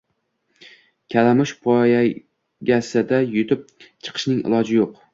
Kalamush poygasida yutib chiqishning iloji yo’q